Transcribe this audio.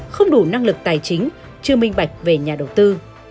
không đủ năng lực tài chính chưa minh bạch về nhà đầu tư